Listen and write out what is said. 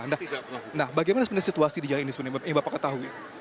nah bagaimana sebenarnya situasi di jalan ini sebenarnya yang bapak ketahui